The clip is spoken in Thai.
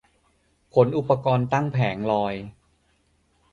ขนอุปกรณ์ตั้งแผงลอย